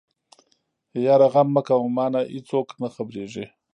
يره غم مکوه مانه ايڅوک نه خبرېږي.